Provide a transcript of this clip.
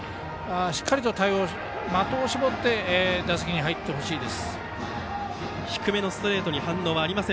しっかりと的を絞って打席に入ってほしいですね。